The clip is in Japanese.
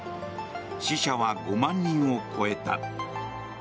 死者は５万人を超えた。